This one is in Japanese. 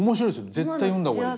絶対読んだ方がいい。